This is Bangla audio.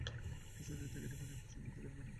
কিছু যে দেখিতে পাই না!